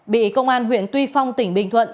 bị công an huyện tuy phong tỉnh bình thuận